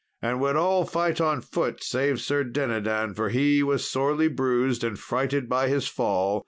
Then would all fight on foot save Sir Dinadan, for he was sorely bruised and frighted by his fall.